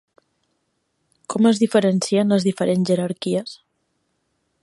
Com es diferencien les diferents jerarquies?